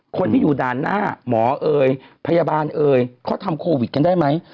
คนที่อยู่ด่านหน้าหมอเอ่ยพยาบาลเอ่ยเขาทำโควิดกันได้ไหม